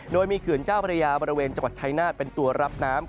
โดยมีเขื่อนเจ้าพระยาบริเวณจังหวัดชายนาฏเป็นตัวรับน้ำ